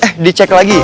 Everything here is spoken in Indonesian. eh dicek lagi